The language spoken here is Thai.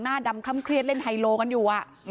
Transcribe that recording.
หน้าดำคล่ำเครียดเล่นไฮโลกันอยู่